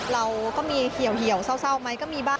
เราก็มีเหี่ยวเหี่ยวเศร้ามั้ยก็มีบ้าง